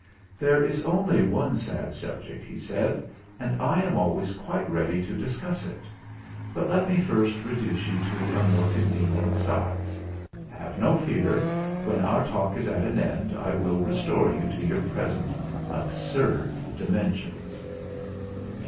There is only one sad subject/' he said. "And I am always quite ready to discuss it. But let me first reduce you to a more convenient size. Have no fear: when our talk is at an end I will restore you to your present absurd dimensions."